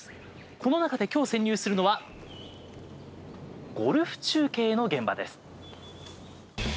この中で今日、潜入するのはゴルフ中継の現場です。